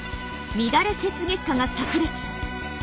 「乱れ雪月花」がさく裂！